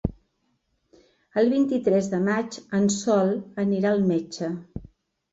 El vint-i-tres de maig en Sol anirà al metge.